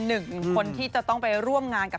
หนึ่งคนที่จะต้องไปร่วมงานกับ